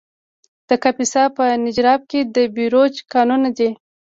د کاپیسا په نجراب کې د بیروج کانونه دي.